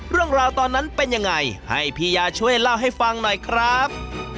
เรื่องราวตอนนั้นเป็นยังไงให้พี่ยาช่วยเล่าให้ฟังหน่อยครับ